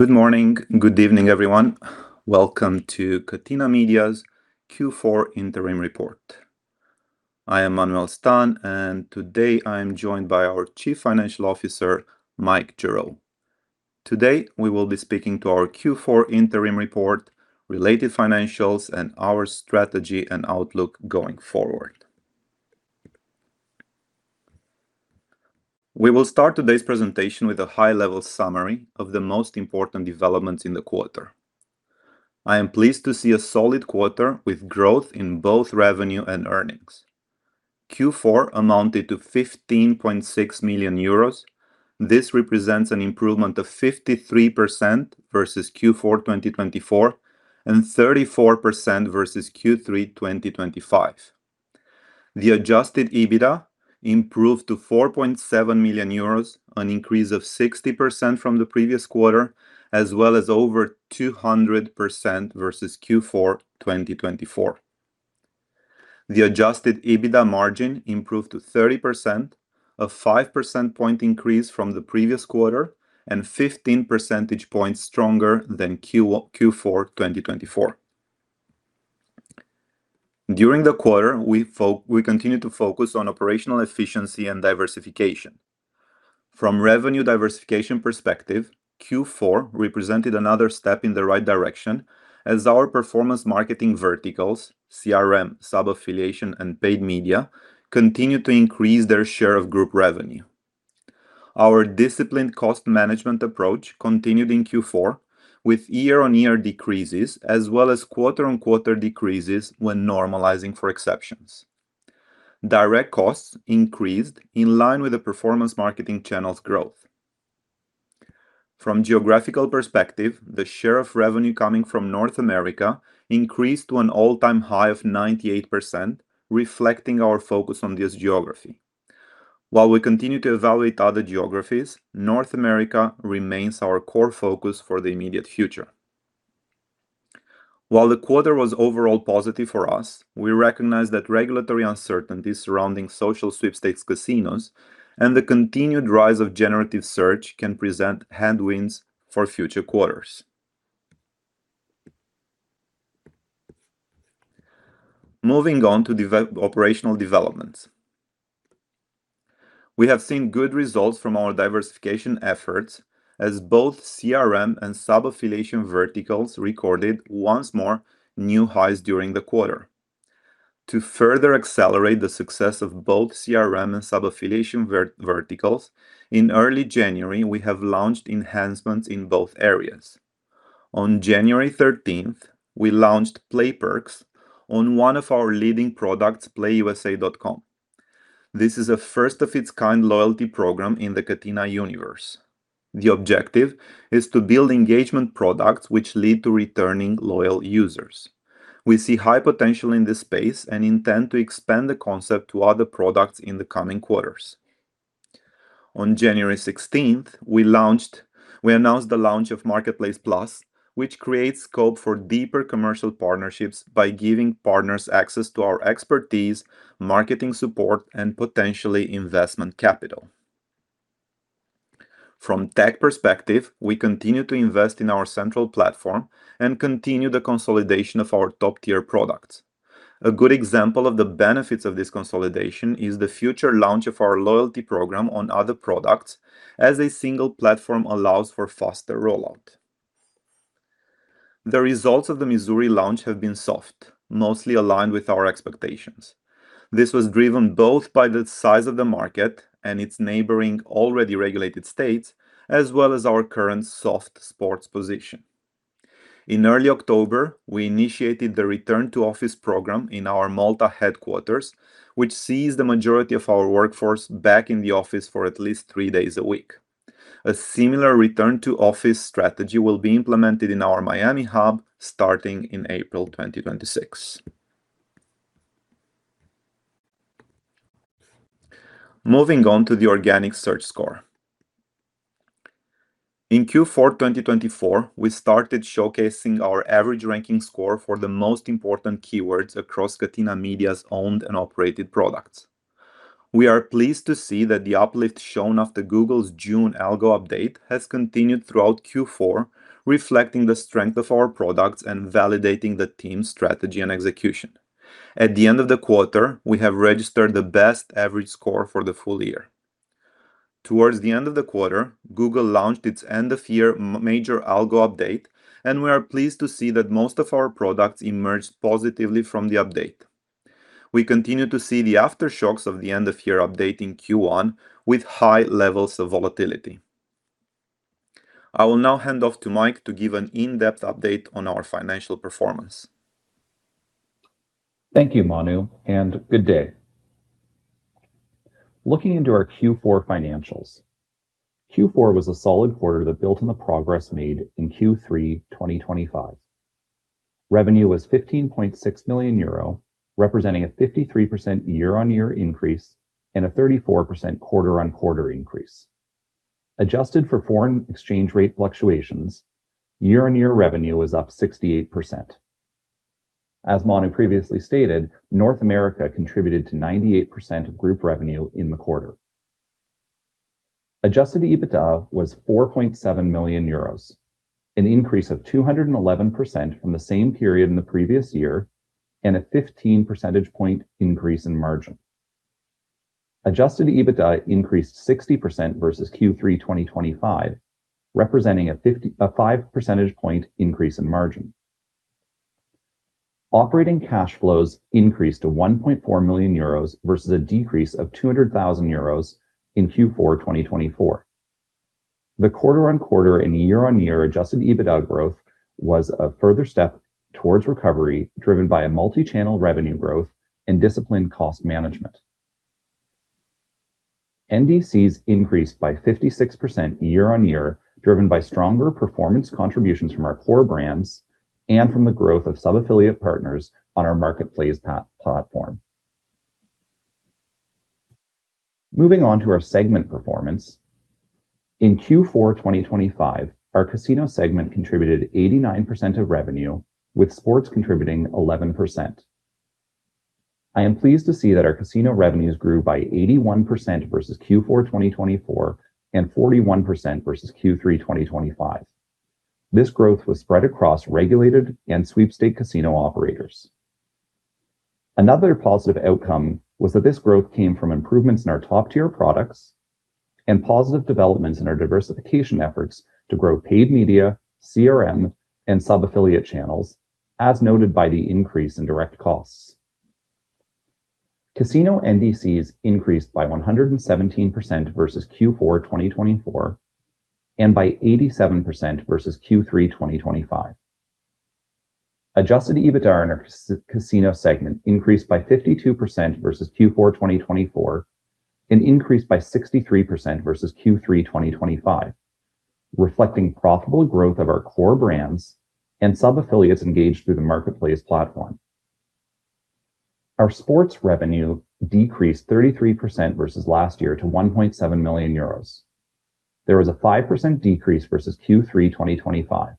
Good morning. Good evening, everyone. Welcome to Catena Media's Q4 Interim Report. I am Manuel Stan, and today I am joined by our Chief Financial Officer, Mike Gerrow. Today, we will be speaking to our Q4 interim report, related financials, and our strategy and outlook going forward. We will start today's presentation with a high-level summary of the most important developments in the quarter. I am pleased to see a solid quarter with growth in both revenue and earnings. Q4 amounted to 15.6 million euros. This represents an improvement of 53% versus Q4 2024, and 34% versus Q3 2025. The Adjusted EBITDA improved to 4.7 million euros, an increase of 60% from the previous quarter, as well as over 200% versus Q4 2024. The adjusted EBITDA margin improved to 30%, a five percentage point increase from the previous quarter and 15 percentage points stronger than Q4 2024. During the quarter, we continued to focus on operational efficiency and diversification. From revenue diversification perspective, Q4 represented another step in the right direction as our performance marketing verticals, CRM, sub-affiliation, and paid media, continued to increase their share of group revenue. Our disciplined cost management approach continued in Q4, with year-over-year decreases as well as quarter-over-quarter decreases when normalizing for exceptions. Direct costs increased in line with the performance marketing channels growth. From geographical perspective, the share of revenue coming from North America increased to an all-time high of 98%, reflecting our focus on this geography. While we continue to evaluate other geographies, North America remains our core focus for the immediate future. While the quarter was overall positive for us, we recognize that regulatory uncertainties surrounding social sweepstakes casinos and the continued rise of generative search can present headwinds for future quarters. Moving on to operational developments. We have seen good results from our diversification efforts, as both CRM and sub-affiliation verticals recorded once more new highs during the quarter. To further accelerate the success of both CRM and sub-affiliation verticals, in early January, we have launched enhancements in both areas. On January 13, we launched Play Perks on one of our leading products, playusa.com. This is a first-of-its-kind loyalty program in the Catena universe. The objective is to build engagement products, which lead to returning loyal users. We see high potential in this space and intend to expand the concept to other products in the coming quarters. On January 16th, we launched, we announced the launch of MRKTPLAYS+, which creates scope for deeper commercial partnerships by giving partners access to our expertise, marketing support, and potentially investment capital. From tech perspective, we continue to invest in our central platform and continue the consolidation of our top-tier products. A good example of the benefits of this consolidation is the future launch of our loyalty program on other products, as a single platform allows for faster rollout. The results of the Missouri launch have been soft, mostly aligned with our expectations. This was driven both by the size of the market and its neighboring already regulated states, as well as our current soft sports position. In early October, we initiated the return-to-office program in our Malta headquarters, which sees the majority of our workforce back in the office for at least three days a week. A similar return-to-office strategy will be implemented in our Miami hub starting in April 2026. Moving on to the Organic Search score. In Q4 2024, we started showcasing our average ranking score for the most important keywords across Catena Media's owned and operated products. We are pleased to see that the uplift shown after Google's June algo update has continued throughout Q4, reflecting the strength of our products and validating the team's strategy and execution. At the end of the quarter, we have registered the best average score for the full year. Towards the end of the quarter, Google launched its end-of-year major algo update, and we are pleased to see that most of our products emerged positively from the update. We continue to see the aftershocks of the end-of-year update in Q1 with high levels of volatility. I will now hand off to Mike to give an in-depth update on our financial performance. Thank you, Manu, and good day. Looking into our Q4 financials. Q4 was a solid quarter that built on the progress made in Q3 2025. Revenue was 15.6 million euro, representing a 53% year-on-year increase and a 34% quarter-on-quarter increase. Adjusted for foreign exchange rate fluctuations, year-on-year revenue is up 68%. As Manu previously stated, North America contributed to 98% of group revenue in the quarter. Adjusted EBITDA was 4.7 million euros, an increase of 211% from the same period in the previous year, and a 15 percentage point increase in margin. Adjusted EBITDA increased 60% versus Q3 2025, representing a 55 percentage point increase in margin. Operating cash flows increased to 1.4 million euros versus a decrease of 200,000 euros in Q4 2024. The quarter-on-quarter and year-on-year Adjusted EBITDA growth was a further step towards recovery, driven by a multi-channel revenue growth and disciplined cost management. NDCs increased by 56% year-on-year, driven by stronger performance contributions from our core brands and from the growth of sub-affiliate partners on our marketplace platform. Moving on to our segment performance. In Q4 2025, our casino segment contributed 89% of revenue, with sports contributing 11%. I am pleased to see that our casino revenues grew by 81% versus Q4 2024, and 41% versus Q3 2025. This growth was spread across regulated and sweepstakes casino operators. Another positive outcome was that this growth came from improvements in our top-tier products and positive developments in our diversification efforts to grow paid media, CRM, and sub-affiliate channels, as noted by the increase in direct costs. Casino NDCs increased by 117% versus Q4 2024, and by 87% versus Q3 2025. Adjusted EBITDA in our casino segment increased by 52% versus Q4 2024 and increased by 63% versus Q3 2025, reflecting profitable growth of our core brands and sub-affiliates engaged through the marketplace platform. Our sports revenue decreased 33% versus last year to 1.7 million euros. There was a 5% decrease versus Q3 2025.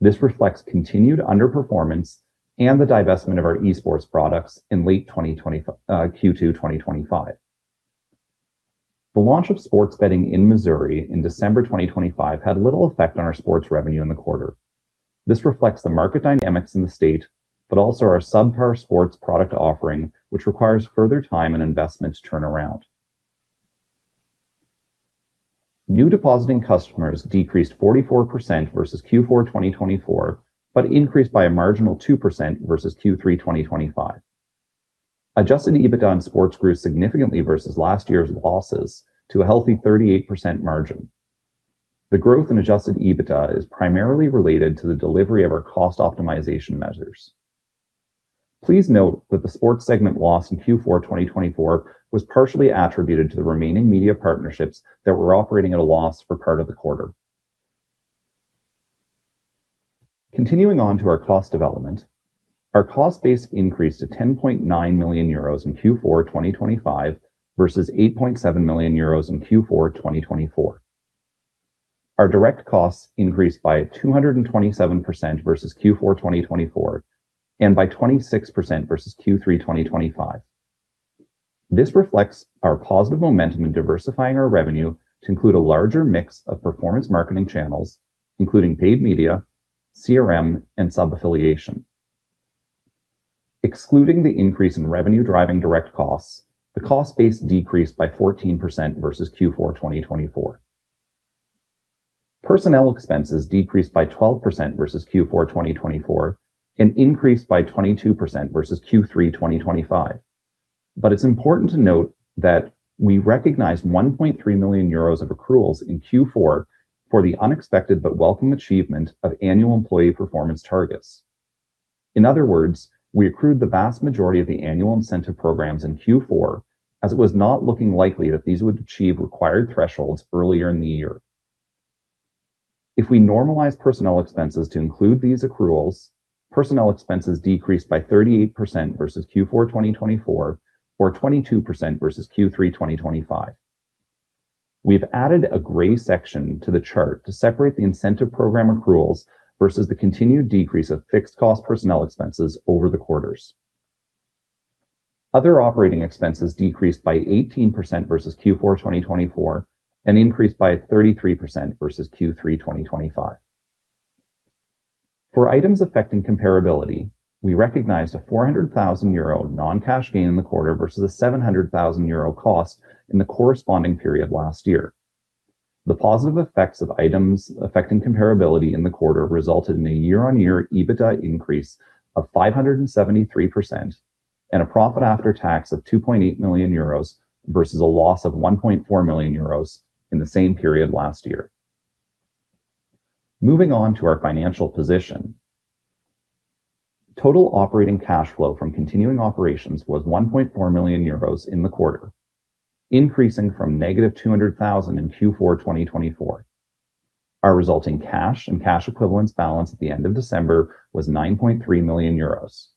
This reflects continued underperformance and the divestment of our esports products in late 2025, Q2 2025. The launch of sports betting in Missouri in December 2025 had little effect on our sports revenue in the quarter. This reflects the market dynamics in the state, but also our subpar sports product offering, which requires further time and investment to turn around. New depositing customers decreased 44% versus Q4 2024, but increased by a marginal 2% versus Q3 2025. Adjusted EBITDA in sports grew significantly versus last year's losses to a healthy 38% margin. The growth in adjusted EBITDA is primarily related to the delivery of our cost optimization measures. Please note that the sports segment loss in Q4 2024 was partially attributed to the remaining media partnerships that were operating at a loss for part of the quarter. Continuing on to our cost development, our cost base increased to 10.9 million euros in Q4 2025 versus 8.7 million euros in Q4 2024. Our direct costs increased by 227% versus Q4 2024, and by 26% versus Q3 2025. This reflects our positive momentum in diversifying our revenue to include a larger mix of performance marketing channels, including paid media, CRM, and sub-affiliation. Excluding the increase in revenue driving direct costs, the cost base decreased by 14% versus Q4 2024. Personnel expenses decreased by 12% versus Q4 2024 and increased by 22% versus Q3 2025. But it's important to note that we recognized 1.3 million euros of accruals in Q4 for the unexpected but welcome achievement of annual employee performance targets. In other words, we accrued the vast majority of the annual incentive programs in Q4, as it was not looking likely that these would achieve required thresholds earlier in the year. If we normalize personnel expenses to include these accruals, personnel expenses decreased by 38% versus Q4 2024 or 22% versus Q3 2025. We've added a gray section to the chart to separate the incentive program accruals versus the continued decrease of fixed cost personnel expenses over the quarters. Other operating expenses decreased by 18% versus Q4 2024 and increased by 33% versus Q3 2025. For items affecting comparability, we recognized a 400,000 euro non-cash gain in the quarter versus a 700,000 euro cost in the corresponding period last year. The positive effects of items affecting comparability in the quarter resulted in a year-on-year EBITDA increase of 573% and a profit after tax of 2.8 million euros, versus a loss of 1.4 million euros in the same period last year. Moving on to our financial position. Total operating cash flow from continuing operations was 1.4 million euros in the quarter, increasing from -200,000 in Q4 2024. Our resulting cash and cash equivalents balance at the end of December was 9.3 million euros.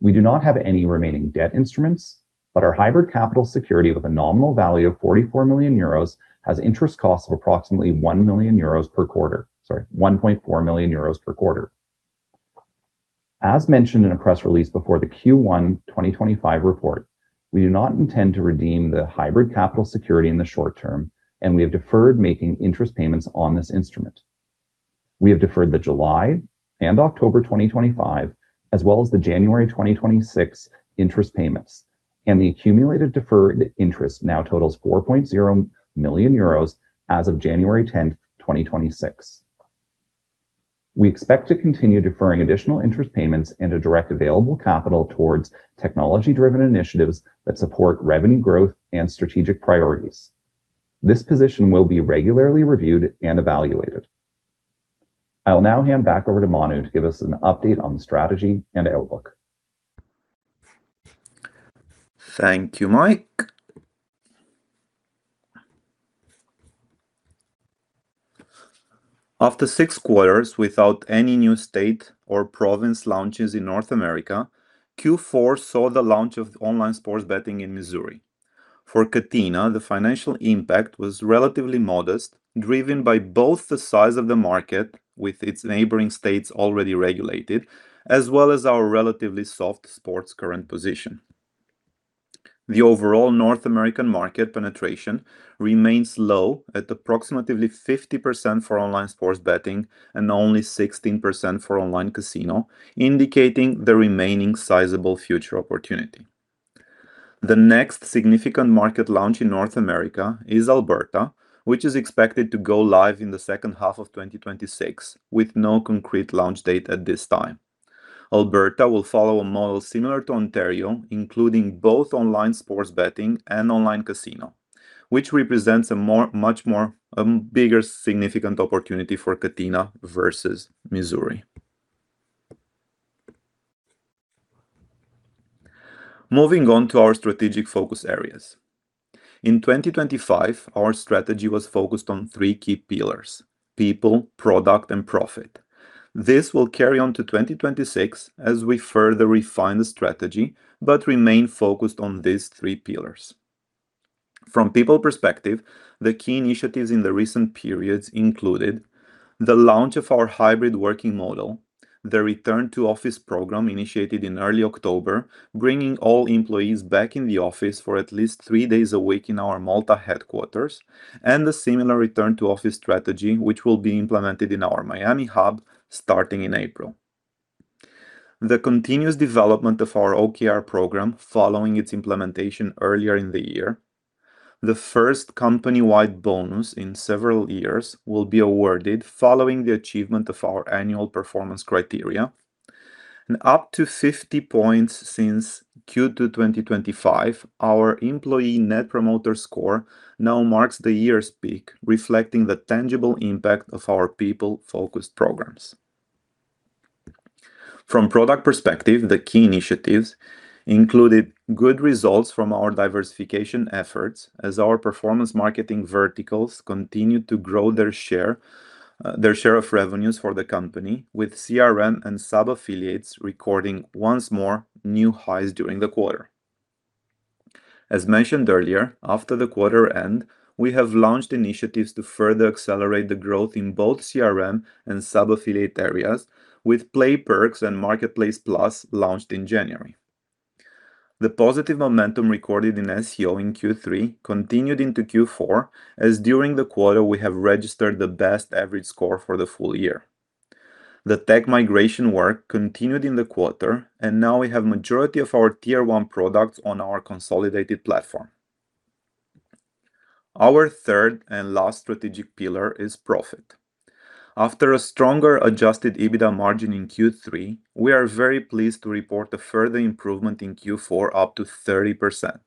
We do not have any remaining debt instruments, but our Hybrid Capital Security with a nominal value of 44 million euros has interest costs of approximately 1 million euros per quarter, sorry, 1.4 million euros per quarter. As mentioned in a press release before the Q1 2025 report, we do not intend to redeem the Hybrid Capital Security in the short term, and we have deferred making interest payments on this instrument. We have deferred the July and October 2025, as well as the January 2026 interest payments, and the accumulated deferred interest now totals 4.0 million euros as of January 10, 2026. We expect to continue deferring additional interest payments and to direct available capital towards technology-driven initiatives that support revenue growth and strategic priorities. This position will be regularly reviewed and evaluated. I'll now hand back over to Manu to give us an update on the strategy and outlook. Thank you, Mike. After six quarters without any new state or province launches in North America, Q4 saw the launch of online sports betting in Missouri. For Catena Media, the financial impact was relatively modest, driven by both the size of the market, with its neighboring states already regulated, as well as our relatively soft sports current position. The overall North American market penetration remains low, at approximately 50% for online sports betting and only 16% for online casino, indicating the remaining sizable future opportunity. The next significant market launch in North America is Alberta, which is expected to go live in the second half of 2026, with no concrete launch date at this time. Alberta will follow a model similar to Ontario, including both online sports betting and online casino, which represents a much more bigger significant opportunity for Catena Media versus Missouri. Moving on to our strategic focus areas. In 2025, our strategy was focused on three key pillars, people, product, and profit. This will carry on to 2026 as we further refine the strategy but remain focused on these three pillars. From people perspective, the key initiatives in the recent periods included the launch of our hybrid working model, the return-to-office program initiated in early October, bringing all employees back in the office for at least three days a week in our Malta headquarters, and a similar return-to-office strategy, which will be implemented in our Miami hub starting in April. The continuous development of our OKR program, following its implementation earlier in the year, the first company-wide bonus in several years will be awarded following the achievement of our annual performance criteria. Up to 50 points since Q2 2025, our Employee Net Promoter Score now marks the year's peak, reflecting the tangible impact of our people-focused programs. From product perspective, the key initiatives included good results from our diversification efforts as our performance marketing verticals continued to grow their share, their share of revenues for the company, with CRM and sub-affiliation recording once more new highs during the quarter. As mentioned earlier, after the quarter end, we have launched initiatives to further accelerate the growth in both CRM and sub-affiliation areas, with Play Perks and MRKTPLAYS+ launched in January. The positive momentum recorded in SEO in Q3 continued into Q4, as during the quarter we have registered the best average score for the full year. The tech migration work continued in the quarter, and now we have majority of our tier one products on our consolidated platform. Our third and last strategic pillar is profit. After a stronger Adjusted EBITDA margin in Q3, we are very pleased to report a further improvement in Q4, up to 30%.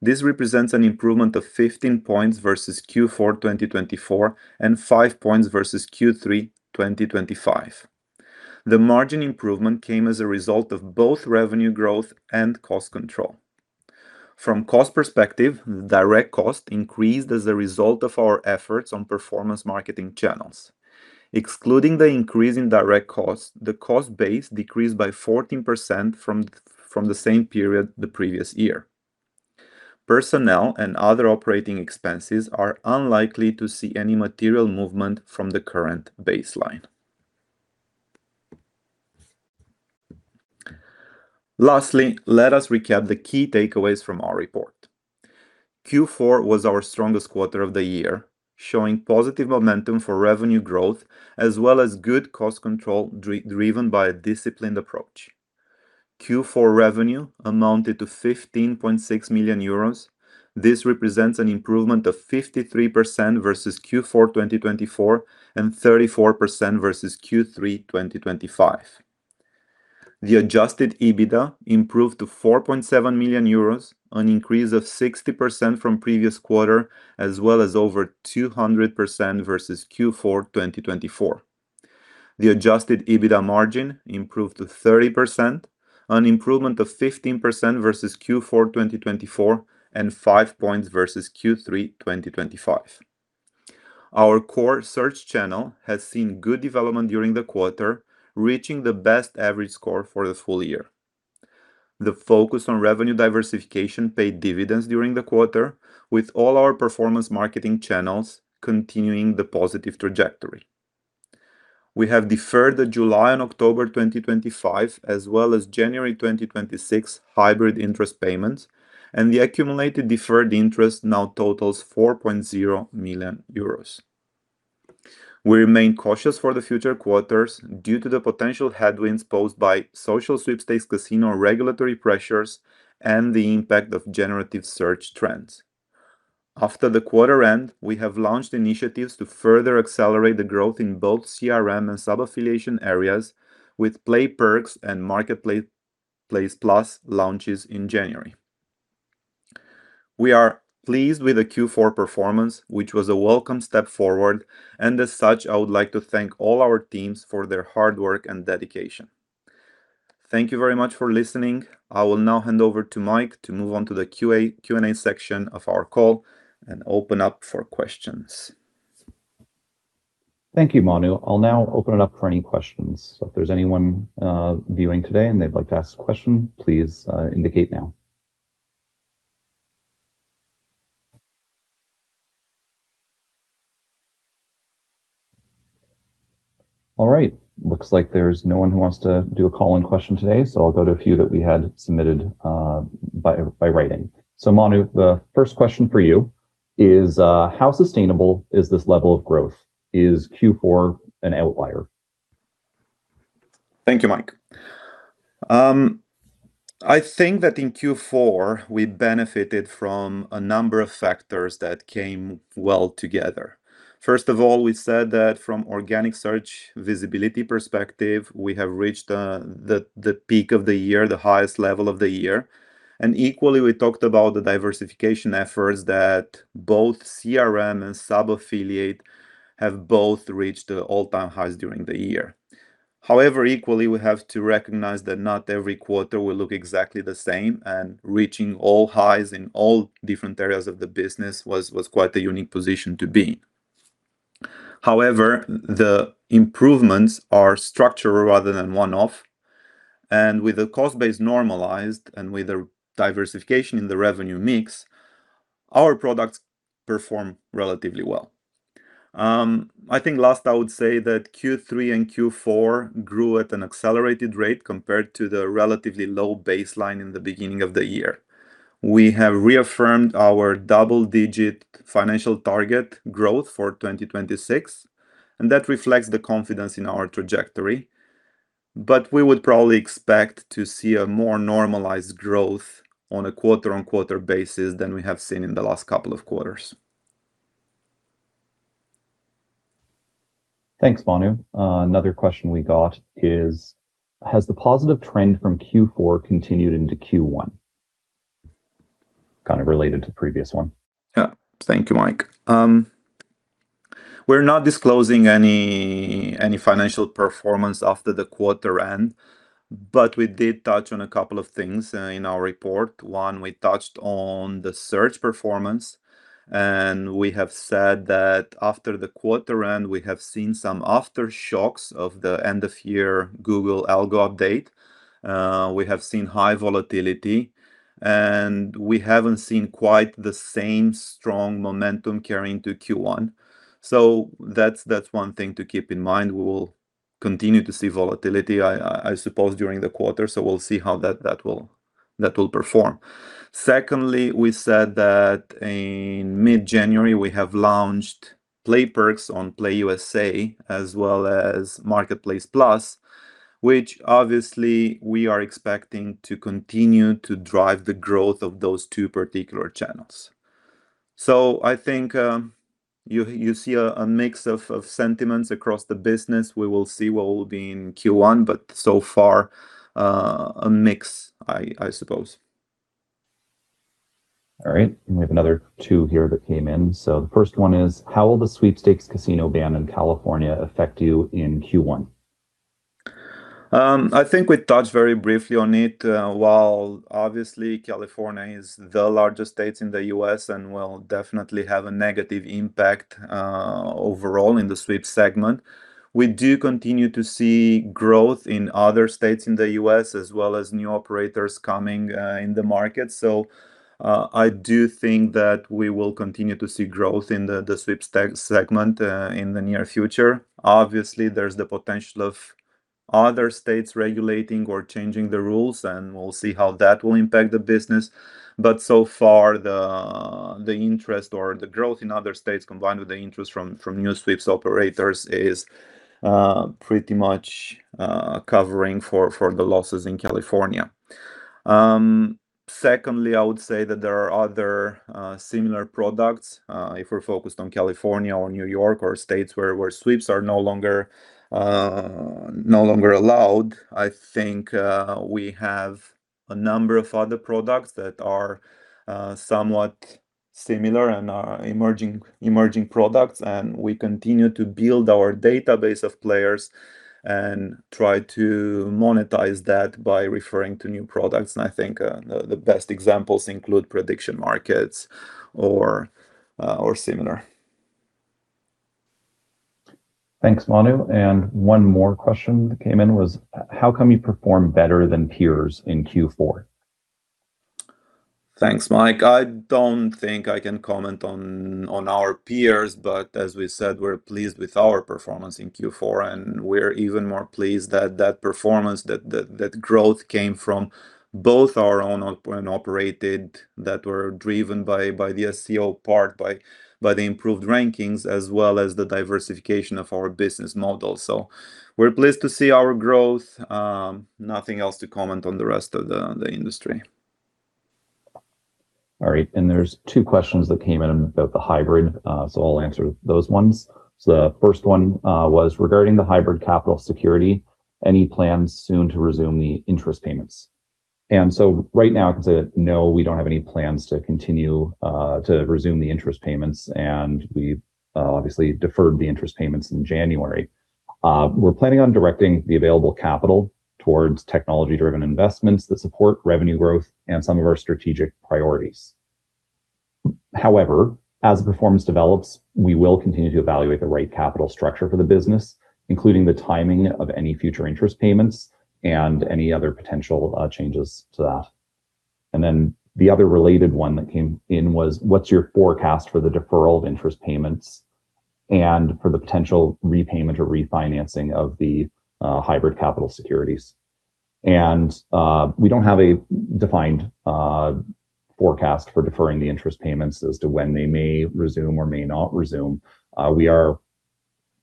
This represents an improvement of 15 points versus Q4 2024 and five points versus Q3 2025. The margin improvement came as a result of both revenue growth and cost control. From cost perspective, direct cost increased as a result of our efforts on performance marketing channels. Excluding the increase in direct costs, the cost base decreased by 14% from the same period the previous year. Personnel and other operating expenses are unlikely to see any material movement from the current baseline. Lastly, let us recap the key takeaways from our report. Q4 was our strongest quarter of the year, showing positive momentum for revenue growth as well as good cost control, driven by a disciplined approach. Q4 revenue amounted to 15.6 million euros. This represents an improvement of 53% versus Q4 2024, and 34% versus Q3 2025. The adjusted EBITDA improved to 4.7 million euros, an increase of 60% from previous quarter, as well as over 200% versus Q4 2024. The adjusted EBITDA margin improved to 30%, an improvement of 15% versus Q4 2024, and five points versus Q3 2025. Our core search channel has seen good development during the quarter, reaching the best average score for the full year. The focus on revenue diversification paid dividends during the quarter, with all our performance marketing channels continuing the positive trajectory. We have deferred the July and October 2025, as well as January 2026 hybrid interest payments, and the accumulated deferred interest now totals 4.0 million euros. We remain cautious for the future quarters due to the potential headwinds posed by social sweepstakes casino regulatory pressures and the impact of generative search trends. After the quarter end, we have launched initiatives to further accelerate the growth in both CRM and sub-affiliation areas with Play Perks and MRKTPLAYS+ launches in January. We are pleased with the Q4 performance, which was a welcome step forward, and as such, I would like to thank all our teams for their hard work and dedication. Thank you very much for listening. I will now hand over to Mike to move on to the QA, Q&A section of our call and open up for questions. Thank you, Manu. I'll now open it up for any questions. If there's anyone viewing today and they'd like to ask a question, please indicate now. All right. Looks like there's no one who wants to do a call-in question today, so I'll go to a few that we had submitted by writing. So, Manu, the first question for you is how sustainable is this level of growth? Is Q4 an outlier? Thank you, Mike. I think that in Q4, we benefited from a number of factors that came well together. First of all, we said that from Organic Search visibility perspective, we have reached the peak of the year, the highest level of the year. Equally, we talked about the diversification efforts that both CRM and sub-affiliate have both reached an all-time high during the year. However, equally, we have to recognize that not every quarter will look exactly the same, and reaching all highs in all different areas of the business was quite a unique position to be. However, the improvements are structural rather than one-off, and with the cost base normalized and with the diversification in the revenue mix, our products perform relatively well. I think last, I would say that Q3 and Q4 grew at an accelerated rate compared to the relatively low baseline in the beginning of the year. We have reaffirmed our double-digit financial target growth for 2026, and that reflects the confidence in our trajectory. But we would probably expect to see a more normalized growth on a quarter-on-quarter basis than we have seen in the last couple of quarters. Thanks, Manu. Another question we got is, has the positive trend from Q4 continued into Q1? Kind of related to the previous one. Yeah. Thank you, Mike. We're not disclosing any financial performance after the quarter end, but we did touch on a couple of things in our report. One, we touched on the search performance, and we have said that after the quarter end, we have seen some aftershocks of the end-of-year Google algo update. We have seen high volatility, and we haven't seen quite the same strong momentum carrying to Q1. So that's one thing to keep in mind. We will continue to see volatility, I suppose, during the quarter, so we'll see how that will perform. Secondly, we said that in mid-January, we have launched Play Perks on PlayUSA, as well as MRKTPLAYS+, which obviously we are expecting to continue to drive the growth of those two particular channels. So I think, you see a mix of sentiments across the business. We will see what will be in Q1, but so far, a mix, I suppose. All right, we have another two here that came in. So the first one is, how will the Sweepstakes Casino ban in California affect you in Q1? I think we touched very briefly on it. While obviously, California is the largest state in the U.S. and will definitely have a negative impact overall in the sweep segment, we do continue to see growth in other states in the U.S., as well as new operators coming in the market. So, I do think that we will continue to see growth in the sweepstakes segment in the near future. Obviously, there's the potential of other states regulating or changing the rules, and we'll see how that will impact the business. But so far, the interest or the growth in other states, combined with the interest from new sweeps operators, is pretty much covering for the losses in California. Secondly, I would say that there are other similar products. If we're focused on California or New York or states where sweeps are no longer allowed, I think we have a number of other products that are somewhat similar and are emerging products, and we continue to build our database of players and try to monetize that by referring to new products. I think the best examples include prediction markets or similar. Thanks, Manu. And one more question that came in was, how come you performed better than peers in Q4? Thanks, Mike. I don't think I can comment on our peers, but as we said, we're pleased with our performance in Q4, and we're even more pleased that that performance, that growth came from both our owned and operated, that were driven by the SEO part, by the improved rankings, as well as the diversification of our business model. So we're pleased to see our growth. Nothing else to comment on the rest of the industry. All right, and there's two questions that came in about the hybrid, so I'll answer those ones. So the first one was regarding the Hybrid Capital Security, any plans soon to resume the interest payments? And so right now, I can say, no, we don't have any plans to continue to resume the interest payments, and we've obviously deferred the interest payments in January. We're planning on directing the available capital towards technology-driven investments that support revenue growth and some of our strategic priorities. However, as performance develops, we will continue to evaluate the right capital structure for the business, including the timing of any future interest payments and any other potential changes to that. Then the other related one that came in was, what's your forecast for the deferral of interest payments and for the potential repayment or refinancing of the Hybrid Capital Securities? We don't have a defined forecast for deferring the interest payments as to when they may resume or may not resume. We are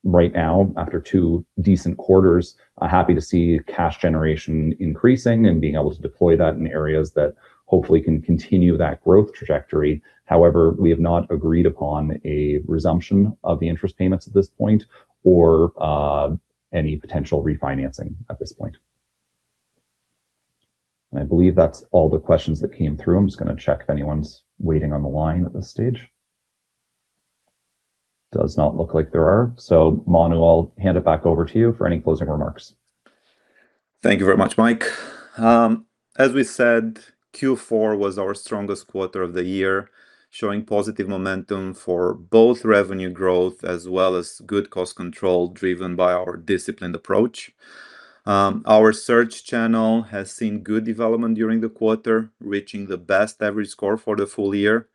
right now, after two decent quarters, happy to see cash generation increasing and being able to deploy that in areas that hopefully can continue that growth trajectory. However, we have not agreed upon a resumption of the interest payments at this point or any potential refinancing at this point. I believe that's all the questions that came through. I'm just gonna check if anyone's waiting on the line at this stage. Does not look like there are. Manu, I'll hand it back over to you for any closing remarks. Thank you very much, Mike. As we said, Q4 was our strongest quarter of the year, showing positive momentum for both revenue growth as well as good cost control, driven by our disciplined approach. Our search channel has seen good development during the quarter, reaching the best average score for the full year,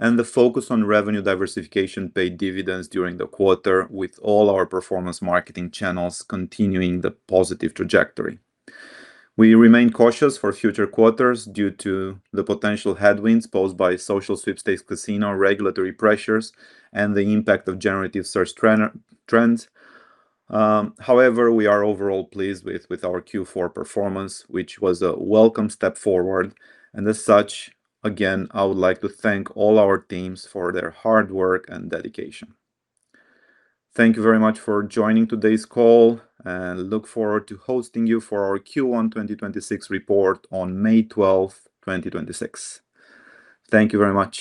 and the focus on revenue diversification paid dividends during the quarter, with all our performance marketing channels continuing the positive trajectory. We remain cautious for future quarters due to the potential headwinds posed by social sweepstakes casino regulatory pressures and the impact of generative search trends. However, we are overall pleased with our Q4 performance, which was a welcome step forward, and as such, again, I would like to thank all our teams for their hard work and dedication. Thank you very much for joining today's call, and look forward to hosting you for our Q1 2026 report on May 12, 2026. Thank you very much.